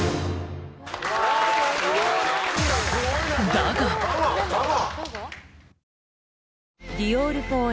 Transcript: だが⁉だが？